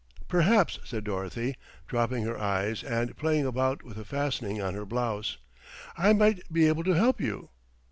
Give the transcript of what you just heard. "Perhaps," said Dorothy, dropping her eyes and playing about with a fastening on her blouse, "I might be able to help you."